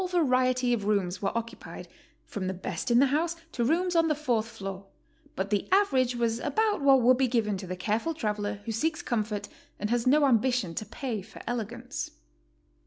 All varieties of rooms were occupied, from the best in the house to rooms on the fourth floor, but the average was about what would be given to the careful traveler who seeks comfort and has no ambition to pay for elegance.